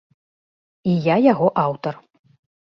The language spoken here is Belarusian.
І я яго аўтар.